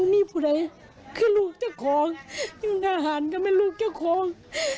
นี่พูดอะไรคือลูกเจ้าของอยู่น่าห่านกับแม่ลูกเจ้าของ